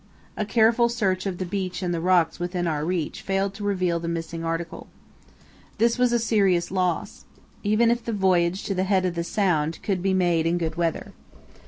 A careful search of the beach and the rocks within our reach failed to reveal the missing article. This was a serious loss, even if the voyage to the head of the sound could be made in good weather.